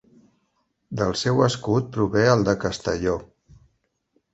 Del seu escut prové el de Castelló.